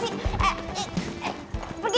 ih ih apa sih